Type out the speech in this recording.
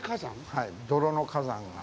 はい、泥の火山が。